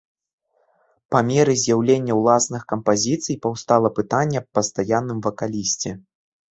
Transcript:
Па меры з'яўлення ўласных кампазіцый паўстала пытанне аб пастаянным вакалісце.